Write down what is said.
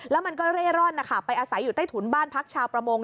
แล้วมันก็เร่ร่อนนะคะไปอาศัยอยู่ใต้ถุนบ้านพักชาวประมง